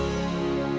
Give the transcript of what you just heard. umi yang berharga